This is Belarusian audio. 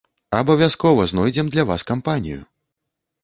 Абавязкова знойдзем для вас кампанію!